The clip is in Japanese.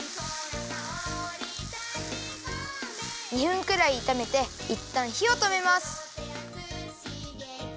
２分くらいいためていったんひをとめます。